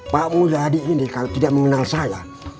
pak muda adi ini kalo tidak mengenal saya